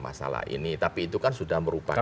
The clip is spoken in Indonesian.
masalah ini tapi itu kan sudah merupakan